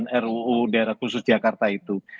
ruu daerah khusus jakarta itu